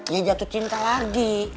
ya jatuh cinta lagi